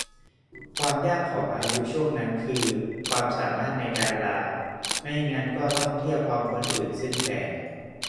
ความยากของอายุช่วงนั้นคือความสามารถในการลา ไม่งั้นก็ต้องเที่ยวพร้อมคนอื่น ซึ่งแพง